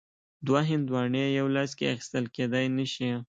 دوه هندواڼې یو لاس کې اخیستل کیدای نه شي.